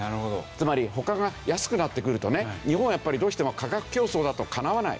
つまり他が安くなってくるとね日本はやっぱりどうしても価格競争だとかなわない。